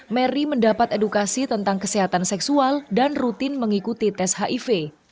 mary mendapat edukasi tentang kesehatan seksual dan rutin mengikuti tes hiv